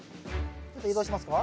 ちょっと移動しますか。